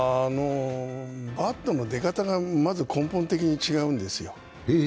バットの出方がまず根本的に違うんですよ。